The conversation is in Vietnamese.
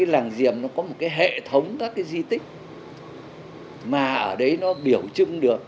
làng diệm có một hệ thống di tích mà ở đây biểu trưng được